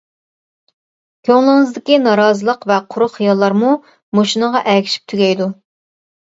كۆڭلىڭىزدىكى نارازىلىق ۋە قۇرۇق خىياللارمۇ مۇشۇنىڭغا ئەگىشىپ تۈگەيدۇ.